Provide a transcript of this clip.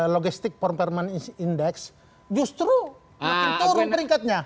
logistik form permanence index justru makin turun peringkatnya